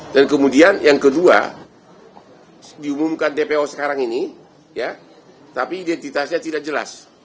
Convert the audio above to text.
kemudian yang kedua diumumkan dpo sekarang ini tapi identitasnya tidak jelas